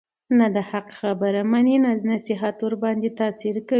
نه د حق خبره مني، نه نصيحت ورباندي تأثير كوي،